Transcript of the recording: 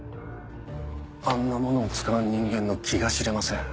あんなものを使う人間の気が知れません。